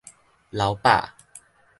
流飽